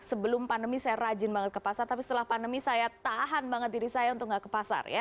sebelum pandemi saya rajin banget ke pasar tapi setelah pandemi saya tahan banget diri saya untuk gak ke pasar ya